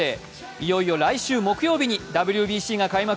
いよいよ来週木曜日にＷＢＣが開幕。